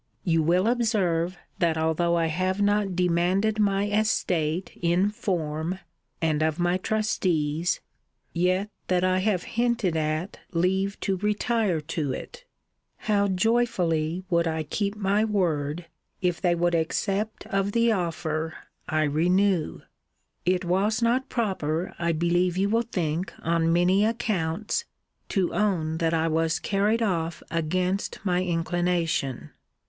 You will observe, that although I have not demanded my estate in form, and of my trustees, yet that I have hinted at leave to retire to it. How joyfully would I keep my word, if they would accept of the offer I renew! It was not proper, I believe you will think, on many accounts, to own that I was carried off against my inclination.